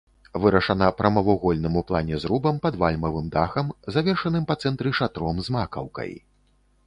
Вырашана прамавугольным у плане зрубам пад вальмавым дахам, завершаным па цэнтры шатром з макаўкай.